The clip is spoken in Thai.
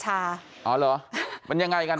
เอาหรอเป็นยังไงกัน